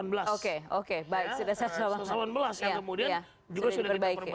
satu ratus delapan belas ya kemudian juga sudah kita perbaiki